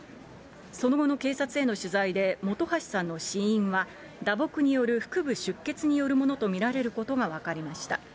その後の警察への取材で、本橋さんの死因は、打撲による腹部出血によるものと見られることが分かりました。